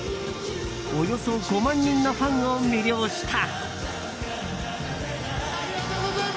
およそ５万人のファンを魅了した。